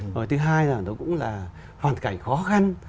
rồi thứ hai là nó cũng là hoàn cảnh khó khăn